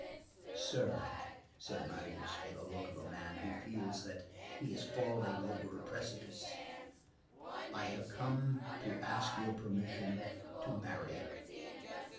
"Sir," said Marius, with the look of a man who feels that he is falling over a precipice, "I have come to ask your permission to marry."